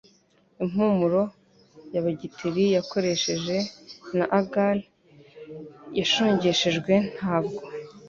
impumuro ya bagiteri yakoresheje na agar yashongeshejwe Ntabwo